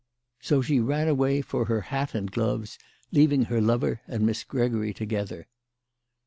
So she ran away for her hat and gloves, leaving her lover and Miss Gregory together.